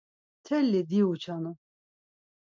“Mteli diuçanu!